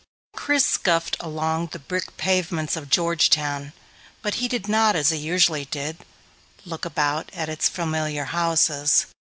Chris scuffed along the brick pavements of Georgetown, but he did not, as he usually did, look about at its familiar houses.